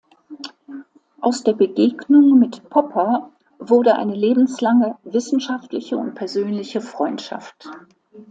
Aus der Begegnung mit Popper wurde eine lebenslange wissenschaftliche und persönliche Freundschaft.